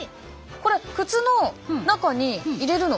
これ靴の中に入れるの。